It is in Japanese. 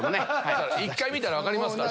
１回見たら分かります。